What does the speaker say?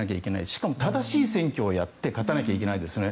しかも正しい選挙をやって勝たなきゃいけないですね。